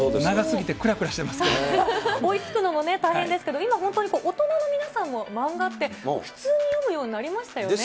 長すぎ追いつくのも大変ですけど、今本当に大人の皆さんも漫画って、普通に読むようになりましたよね。